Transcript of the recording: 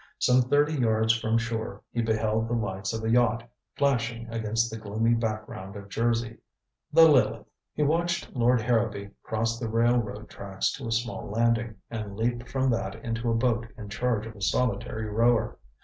Some thirty yards from shore he beheld the lights of a yacht flashing against the gloomy background of Jersey. The Lileth! He watched Lord Harrowby cross the railroad tracks to a small landing, and leap from that into a boat in charge of a solitary rower.